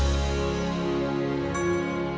tapi sedangkom edud quer p appeal